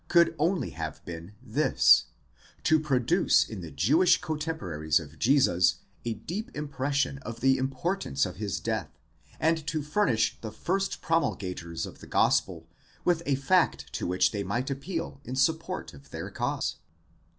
693 only have been this: to produce in the Jewish cotemporaries of Jesus a deep impression of the importance of his death, and to furnish the first promulga tors of the gospel with a fact to which they might appeal in support of their cause.